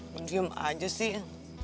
mencium aja sih